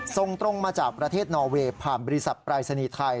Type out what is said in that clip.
ส่งตรงมาจากประเทศนอเวย์ผ่านบริษัทปรายศนีย์ไทย